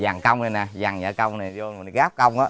dằn cong đây nè dằn và cong này vô mình gáp cong đó